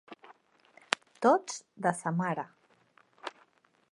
Tots de sa mare.